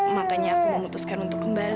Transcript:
makanya aku memutuskan untuk kembali